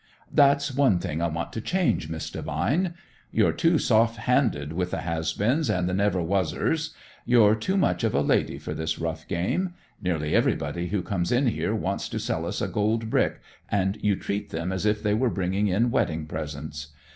"That's one thing I want to change, Miss Devine. You're too soft handed with the has beens and the never was ers. You're too much of a lady for this rough game. Nearly everybody who comes in here wants to sell us a gold brick, and you treat them as if they were bringing in wedding presents.